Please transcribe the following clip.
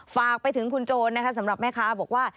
ฝากไปถึงคุณโจรนะคะสำหรับแม่ค้าบอกว่า